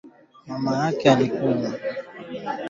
Namna yakukabiliana na ugonjwa wa kichaa wanyama wapewe chanjo